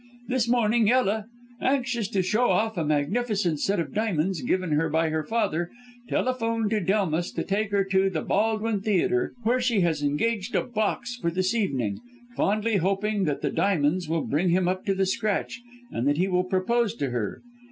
This morning Ella, anxious to show off a magnificent set of diamonds, given her by her father, telephoned to Delmas to take her to the Baldwyn Theatre, where she has engaged a box for this evening fondly hoping that the diamonds will bring him up to the scratch, and that he will propose to her.